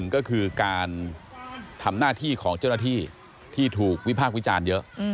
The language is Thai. ก็คือการทำหน้าที่ของเจ้าหน้าที่ที่ถูกวิพากษ์วิจารณ์เยอะ